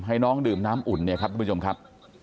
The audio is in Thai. ให้น้องดื่มน้ำอุ่นเนี่ยครับทุกผู้ชมครับ